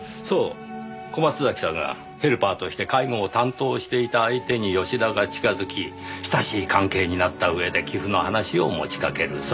そう小松崎さんがヘルパーとして介護を担当していた相手に吉田が近づき親しい関係になった上で寄付の話を持ちかける。